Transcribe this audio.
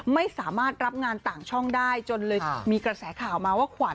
ไม่สามารถรับงานต่างช่องได้จนเลยมีกระแสข่าวมาว่าขวัญ